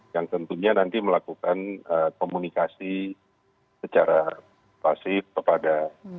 yang tentunya nanti melakukan komunikasi secara pasif kepada